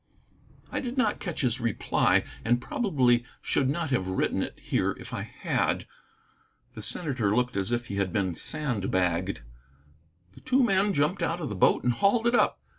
I did not catch his reply, and probably should not have written it here if I had. The senator looked as if he had been sand bagged. The two men jumped out of the boat and hauled it up.